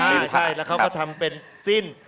ตีนผ้าใช่แล้วเขาก็ทำเป็นสิ้น